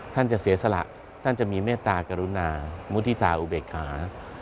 ท่านจะเสียสละท่านจะมีเมตตากรุณามุฒิตาอุเบกขา